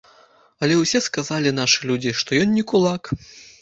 Але ўсе сказалі нашы людзі, што ён не кулак.